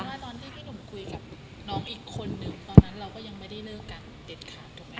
ว่าตอนที่พี่หนุ่มคุยกับน้องอีกคนนึงตอนนั้นเราก็ยังไม่ได้เลิกกันเด็ดขาดถูกไหมค